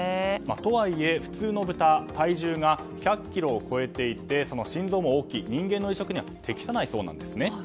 とはいえ普通の豚体重が１００ｋｇを超えていて心臓も大きく人間の移植には適さないそうです。